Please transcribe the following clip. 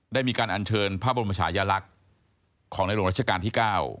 ได้มีการอัญเชิญพระบรมชายลักษณ์ของในหลวงรัชกาลที่๙